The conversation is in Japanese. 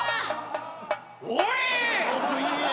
おい！